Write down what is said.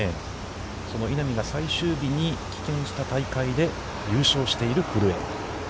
その稲見が最終日に棄権した大会で優勝している古江。